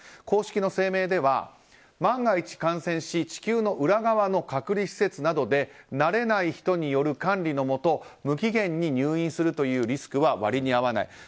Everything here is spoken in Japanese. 公式の声明では、万が一感染し地球の裏側の隔離施設などで慣れない人による管理のもと無期限に入院するというリスクは割に合わない。